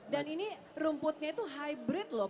dan ini rumputnya itu hybrid loh